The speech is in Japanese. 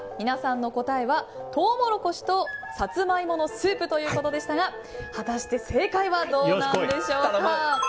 皆さんの答えはとうもろこしとさつま芋のスープということでしたが果たして正解はどうなんでしょうか。